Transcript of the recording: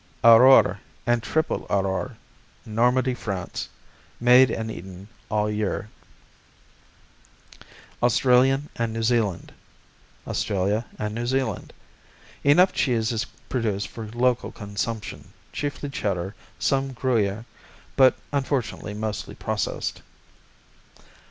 Aurore and Triple Aurore Normandy, France Made and eaten all year. Australian and New Zealand Australia and New Zealand Enough cheese is produced for local consumption, chiefly Cheddar; some Gruyère, but unfortunately mostly processed.